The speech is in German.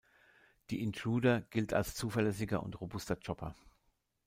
Die Intruder gilt als zuverlässiger und robuster Chopper.